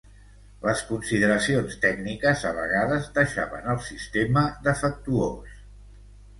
Les consideracions tècniques a vegades deixaven el sistema defectuós.